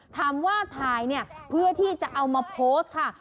ถามว่าถ่ายเนี่ยเพื่อที่จะเอามาโพสต์ค่ะ